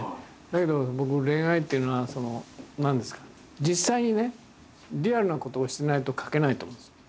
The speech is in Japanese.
だけど僕恋愛っていうのは実際にねリアルなことをしてないと描けないと思うんですよ。